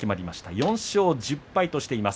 ４勝１０敗としています。